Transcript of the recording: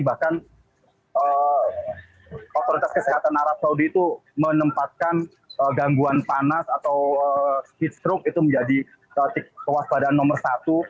bahkan otoritas kesehatan arab saudi itu menempatkan gangguan panas atau speed stroke itu menjadi kewaspadaan nomor satu